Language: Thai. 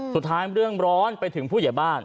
สุดท้ายเรื่องร้อนไปถึงผู้เหยียบ้าน